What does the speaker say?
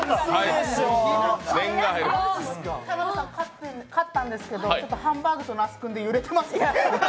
田辺さん、勝ったんですけど、ハンバーグと那須君で揺れてます。